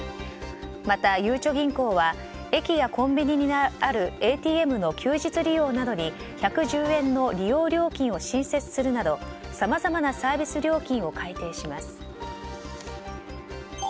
またゆうちょ銀行は駅やコンビニにあるＡＴＭの休日利用などに１１０円の利用料金を新設するなどさまざまなサービス料金を改定します。